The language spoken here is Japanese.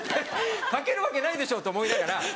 書けるわけないでしょと思いながら。